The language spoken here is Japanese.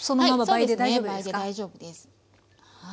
倍で大丈夫です。